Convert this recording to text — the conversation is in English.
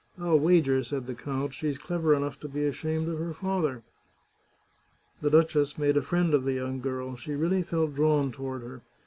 " Til wager," said the count, " she's clever enough to be ashamed of her father !" The duchess made a friend of the young girl ; she really felt drawn toward her.